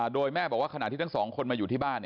โดยแม่บอกว่าขณะที่ทั้งสองคนมาอยู่ที่บ้าน